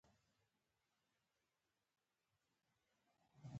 له پورتنیو موادو سربیره نور کوم توکي په نظر کې ونیول شي؟